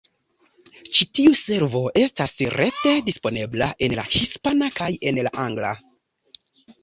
Ĉi tiu servo estas rete disponebla en la hispana kaj en la angla.